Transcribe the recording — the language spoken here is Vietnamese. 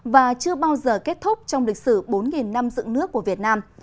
và chưa bao giờ kết thúc trong lịch sử bốn năm dựng nước của việt nam